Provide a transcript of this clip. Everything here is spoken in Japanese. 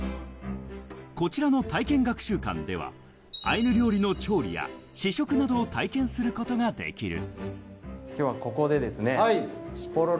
こちらの体験学習館ではアイヌ料理の調理や試食などを体験することができる。